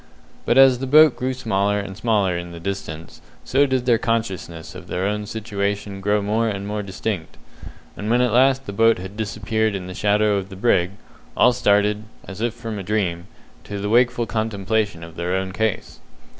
But as the boat grew smaller and smaller in the distance, so did their consciousness of their own situation grow more and more distinct; and when at last the boat had disappeared in the shadow of the brig, all started, as if from a dream, to the wakeful contemplation of their own case.